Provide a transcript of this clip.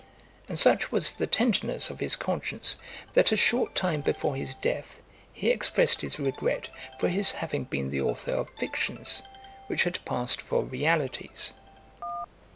And such was the tenderness of his conscience, that a short time before his death he expressed his regret for his having been the authour of fictions, which had passed for realities.